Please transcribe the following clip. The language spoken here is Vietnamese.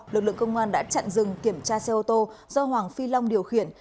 lực lượng công an đã chặn dừng kiểm tra xe ô tô do hoàng phi long điều khiển